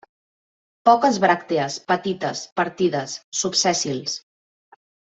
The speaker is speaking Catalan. Poques bràctees, petites, partides, subsèssils.